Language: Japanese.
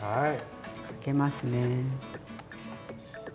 かけますね。